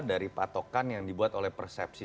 dari patokan yang dibuat oleh persepsi